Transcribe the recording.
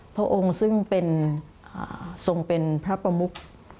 พระองค์ซึ่งเป็นทรงเป็นพระประมุก